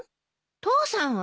父さんは？